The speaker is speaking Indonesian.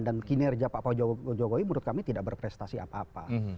dan kinerja pak pak jogowi menurut kami tidak berprestasi apa apa